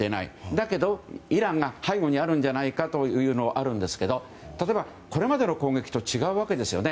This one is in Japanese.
だけど、イランが背後にあるんじゃないかというのはあるんですけれど例えば、これまでの攻撃と違うわけですよね。